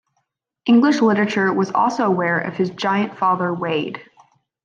English literature was also aware of his giant father Wade.